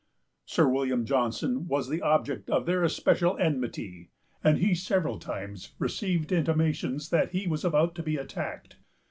Sir William Johnson was the object of their especial enmity, and he several times received intimations that he was about to be attacked.